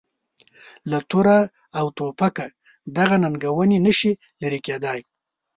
له توره او توپکه دغه ننګونې نه شي لرې کېدای.